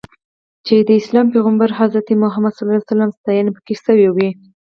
چې د اسلام د پیغمبر حضرت محمد ستاینه پکې شوې وي.